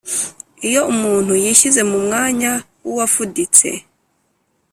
iyo umuntu yishyize mu mwanya w’uwafuditse,